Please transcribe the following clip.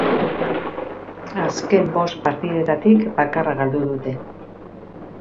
Azken bost partidetatik bakarra galdu dute.